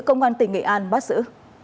công an tỉnh nghệ an bắt giữ